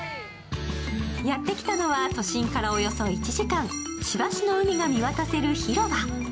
やってきたのは都心からおよそ１時間、千葉市の海が見渡せる広場。